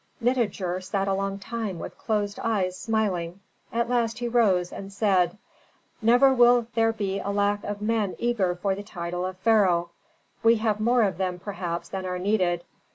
Nitager sat a long time with closed eyes, smiling. At last he rose, and said, "Never will there be a lack of men eager for the title of pharaoh. We have more of them perhaps than are needed.